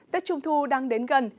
tết trung thu đang đến gần